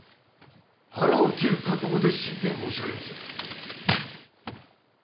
腹を切る覚悟で進言申し上げまする！